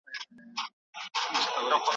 اخلاق د ټولني ثبات ساتي.